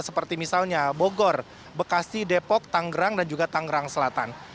seperti misalnya bogor bekasi depok tanggerang dan juga tangerang selatan